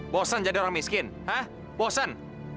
bosan menjadi orang miskin hah bosan